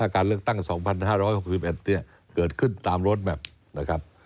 เกิดขึ้นตามโรดแบบนะครับ